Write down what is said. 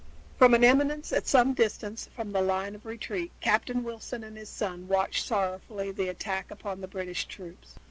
From an eminence at some distance from the line of retreat Captain Wilson and his son watched sorrowfully the attack upon the British troops.